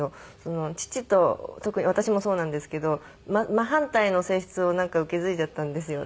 父と特に私もそうなんですけど真反対の性質をなんか受け継いじゃったんですよ。